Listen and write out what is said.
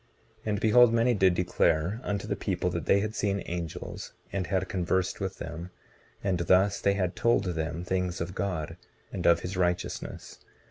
19:34 And behold, many did declare unto the people that they had seen angels and had conversed with them; and thus they had told them things of God, and of his righteousness.